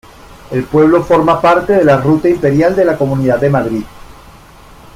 El pueblo forma parte de la Ruta Imperial de la Comunidad de Madrid.